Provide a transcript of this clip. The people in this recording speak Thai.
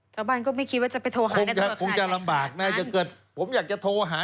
แต่บ้านก็ไม่คิดว่าจะไปโทรหาคงจะลำบากผมอยากจะโทรหา